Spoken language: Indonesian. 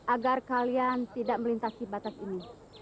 agar kalian tidak melintasi batas ini